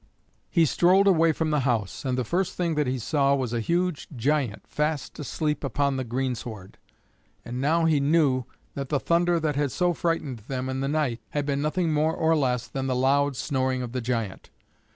He strolled away from the house, and the first thing that he saw was a huge giant fast asleep upon the greensward; and now he knew that the thunder that had so frightened them in the night had been nothing more or less than the loud snoring of the giant.